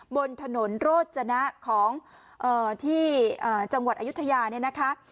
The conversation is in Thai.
บนถนนโรจนะของที่จังหวัดอายุทยาเนี่ยนะคะ